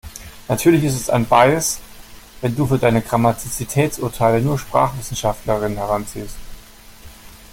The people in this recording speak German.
Natürlich ist es ein Bias, wenn du für deine Grammatizitätsurteile nur SprachwissenschaftlerInnen heranziehst.